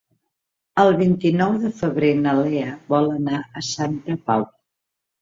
El vint-i-nou de febrer na Lea vol anar a Santa Pau.